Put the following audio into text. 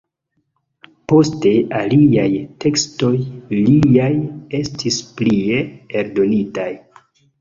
Poste aliaj tekstoj liaj estis plie eldonitaj.